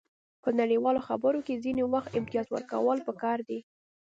په نړیوالو خبرو کې ځینې وخت امتیاز ورکول پکار دي